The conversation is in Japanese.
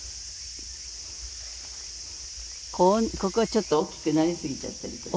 「ここはちょっと大きくなりすぎちゃっているけど」